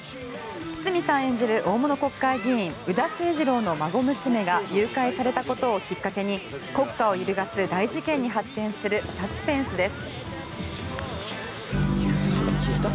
堤さん演じる大物国会議員宇田清治郎の孫娘が誘拐されたことをきっかけに国家を揺るがす大事件に発展するサスペンスです。